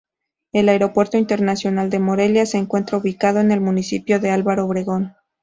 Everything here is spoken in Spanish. El Aeropuerto Internacional de Morelia, se encuentra ubicado en el municipio de Álvaro Obregón.